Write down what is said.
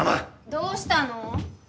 どうしたの？